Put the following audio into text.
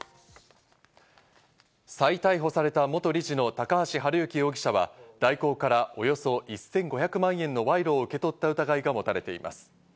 再逮捕された元理事の高橋治之容疑者は、大広からおよそ１５００万円の賄賂を受け取った疑いが持たれています。